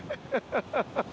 ハハハハハ